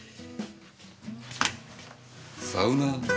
サウナ。